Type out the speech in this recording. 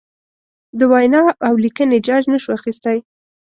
د وینا اولیکنې جاج نشو اخستی.